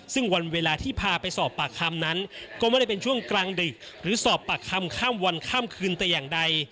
ซึ่งวันเวลาที่พาไปสอบปากคำนั้นก็ไม่ได้เป็นช่วงกลางดึกหรือสอบปากคำข้ามวันข้ามคืนแต่อย่างใด